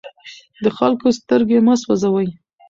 د خلکو سترګې مه سوځوئ.